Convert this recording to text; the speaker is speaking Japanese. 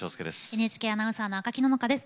ＮＨＫアナウンサーの赤木野々花です。